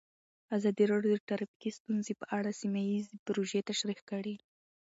ازادي راډیو د ټرافیکي ستونزې په اړه سیمه ییزې پروژې تشریح کړې.